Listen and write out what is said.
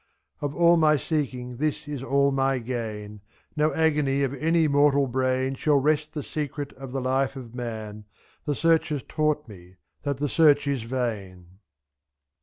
Of all my seeking this is all my gain : No agony of any mortal brain 74 . Shall wrest the secret of the life of man ; The Search has taught me that the Search is vain.